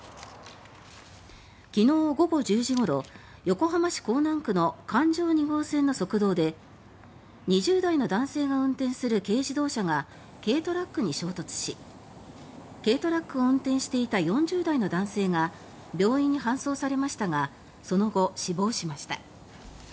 昨日午後１０時ごろ横浜市港南区の環状２号線の側道で２０代の男性が運転する軽自動車が軽トラックに衝突し軽トラックを運転していた４０代の男性が病院に搬送されましたがその後、死亡しました。